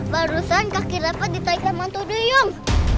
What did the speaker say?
barusan kaki rafa ditaik sama hantu duyung